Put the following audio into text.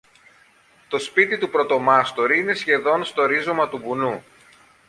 Το σπίτι του πρωτομάστορη είναι σχεδόν στο ρίζωμα του βουνού